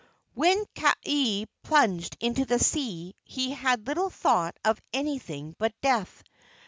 When Kaaialii plunged into the sea he had little thought of anything but death.